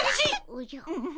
おじゃ。